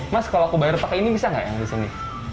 mas kalau aku bayar pakai ini bisa nggak yang di sini